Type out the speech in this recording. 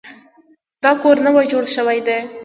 دا کور نوی جوړ شوی دی.